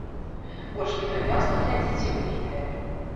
Больш падрабязна глядзіце ў відэа.